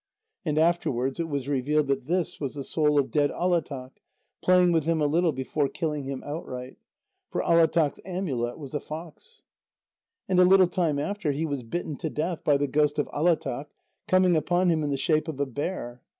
And afterwards it was revealed that this was the soul of dead Alátaq, playing with him a little before killing him outright. For Alátaq's amulet was a fox. And a little time after, he was bitten to death by the ghost of Alátaq, coming upon him in the shape of a bear.